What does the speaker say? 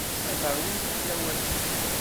Ad ṛwun tiḥlawatin.